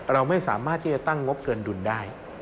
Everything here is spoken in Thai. เราไม่สามารถที่จะตั้งงบเกินดุลได้